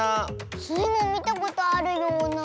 スイもみたことあるような。